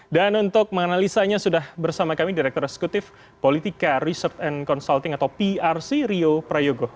dan untuk menganalisanya sudah bersama kami direktur eksekutif politika research and consulting atau prc rio prayogo